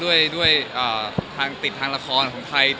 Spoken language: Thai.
ซึ่งพวกเค้าออกมากับรายละครของไทย